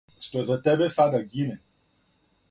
Што за тебе сада гине.